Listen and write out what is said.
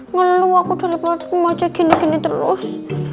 ngelu aku dari waktu maja gini gini terus